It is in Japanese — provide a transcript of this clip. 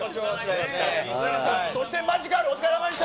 そしてマヂカル、お疲れさまでした。